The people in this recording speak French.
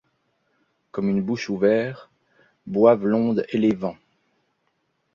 Comme une bouche ouverts, boivent l'onde et les vents